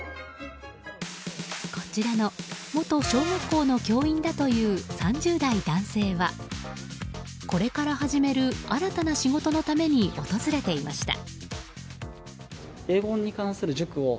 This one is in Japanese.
こちらの元小学校の教員だという３０代男性はこれから始める新たな仕事のために訪れていました。